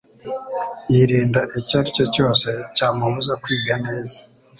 yirinda icyo aricyo cyose cyamubuza kwiga neza.